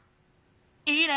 いいね！